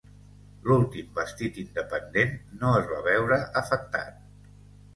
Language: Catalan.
L"últim vestit independent no es va veure afectat.